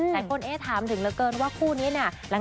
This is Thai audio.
หลายคนเอ๊ะถามถึงเหลือเกินว่าคู่นี้เนี่ย